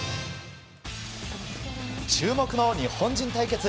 注目の日本人対決。